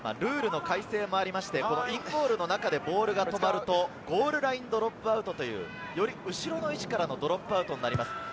インゴールの中でボールが止まると、ゴールラインドロップアウトという、より後ろの位置からのドロップアウトになります。